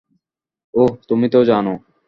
ওহ, তুমি তো জানো।